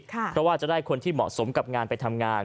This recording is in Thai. เพราะว่าจะได้คนที่เหมาะสมกับงานไปทำงาน